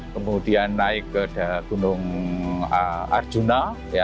kemudian naik ke gunung arjuna